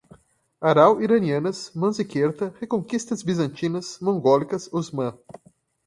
Aral, iranianas, Manziquerta, reconquistas bizantinas, mongólicas, Osmã